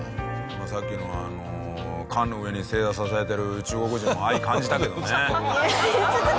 今さっきの缶の上に正座させられてる中国人も愛感じたけどね。